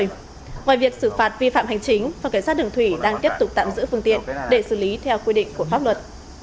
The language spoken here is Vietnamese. ngoài việc xử phạt vi phạm hành chính phòng cảnh sát đường thủy đang tiếp tục tạm giữ phương tiện để xử lý theo quy định của pháp luật